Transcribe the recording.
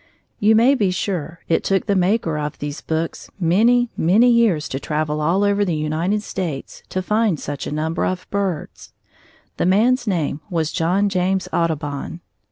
You may be sure it took the maker of these books many, many years to travel all over the United States to find such a number of birds. The man's name was John James Audubon.